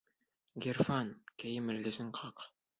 Ғирфан, кейем элгесен ҡаҡ.